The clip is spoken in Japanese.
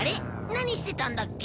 何してたんだっけ？